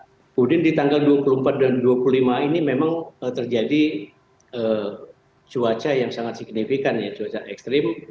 kemudian di tanggal dua puluh empat dan dua puluh lima ini memang terjadi cuaca yang sangat signifikan ya cuaca ekstrim